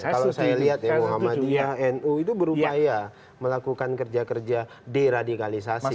kalau saya lihat ya muhammadiyah nu itu berupaya melakukan kerja kerja deradikalisasi